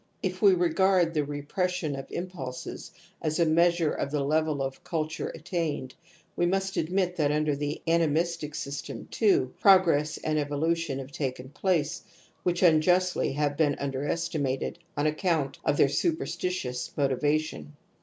If we regard the repression of impidses as a measure of the level of culttu'e attained, we must admit that imder the animistic system too, progress and evolution have taken place, which unjustly have been under estimated on accoimt of their susperstitious motivation.